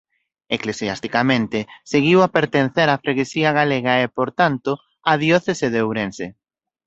Eclesiasticamente seguiu a pertencer á freguesía galega e por tanto á diocese de Ourense.